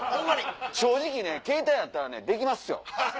正直ねケータイあったらできますよ。